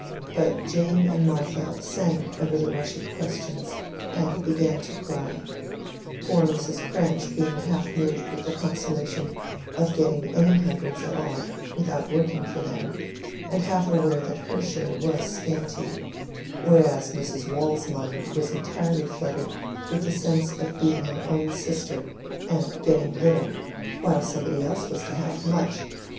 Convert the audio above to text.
But Jane and Martha sank under the rush of questions, and began to cry; poor Mrs. Cranch being half moved with the consolation of getting any hundreds at all without working for them, and half aware that her share was scanty; whereas Mrs. Waule's mind was entirely flooded with the sense of being an own sister and getting little, while somebody else was to have much.